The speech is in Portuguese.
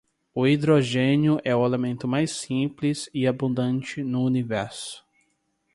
O hidrogénio é o elemento mais simples e abundante no universo.